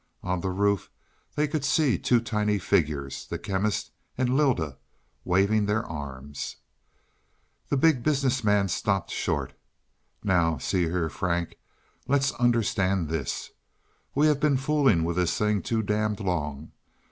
On the roof they could see two tiny figures the Chemist and Lylda waving their arms. The Big Business Man stopped short. "Now see here, Frank, let's understand this. We've been fooling with this thing too damned long.